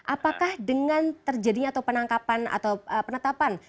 apakah dengan terjadinya atau penangkapan atau penetapan